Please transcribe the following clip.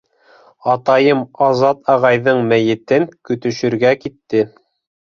Атайым Азат ағайҙың мәйетен көтөшөргә китте.